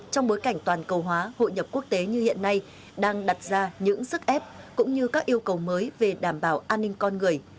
trong bối cảnh toàn cầu hóa hội nhập quốc tế như hiện nay đang đặt ra những sức ép cũng như các yêu cầu mới về đảm bảo an ninh con người